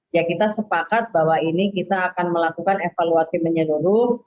ya kita sepakat bahwa ini kita akan melakukan evaluasi menyeluruh